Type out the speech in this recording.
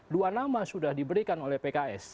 dua nama sudah diberikan oleh pks